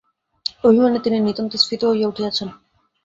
অভিমানে তিনি নিতান্ত স্ফীত হইয়া উঠিয়াছেন।